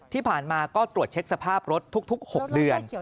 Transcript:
ที่ผ่านมาก็ตรวจเช็คสภาพรถทุก๖เดือน